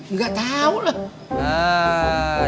enggak tahu lah